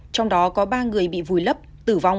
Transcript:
trong đó có ba người bị vùi lấp tử vong